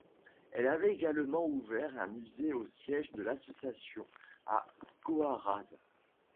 Elle avait également ouvert un musée au siège de l'association, à Coaraze.